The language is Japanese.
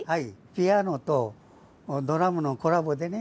ピアノとドラムのコラボでね